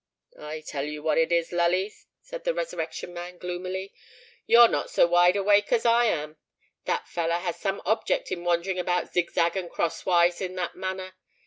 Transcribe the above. "I tell you what it is, Lully," said the Resurrection Man, gloomily, "you're not so wide awake as I am. That fellow has some object in wandering about zigzag and crosswise in that manner.